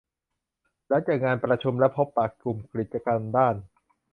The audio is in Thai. หลังจากงานประชุมและพบปะกลุ่มกิจกรรมด้าน